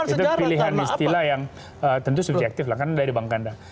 itu pilihan istilah yang tentu subjektif lah karena dari bang kanda